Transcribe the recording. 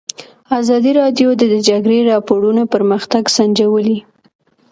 ازادي راډیو د د جګړې راپورونه پرمختګ سنجولی.